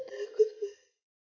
mas sayang untuk lebih